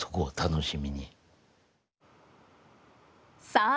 さあ